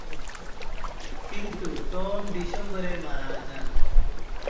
কিন্তু টম ডিসেম্বরে মারা যান।